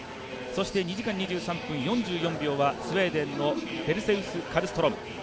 そして２時間２３分４４秒はスウェーデンのペルセウス・カルストローム。